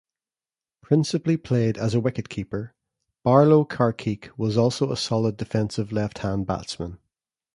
Principally played as a wicketkeeper, "Barlow" Carkeek was also a stolid, defensive left-hand batsman.